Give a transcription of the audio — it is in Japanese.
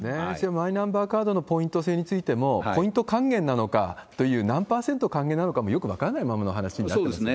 マイナンバーカードのポイント制についても、ポイント還元なのかという、何％還元なのかもよく分かんないままの話になってますよね。